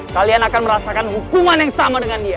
kalian akan merasakan hukuman yang sama dengan dia